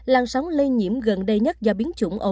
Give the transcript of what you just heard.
làn sóng lây nhiễm gần đây nhất do biến chủng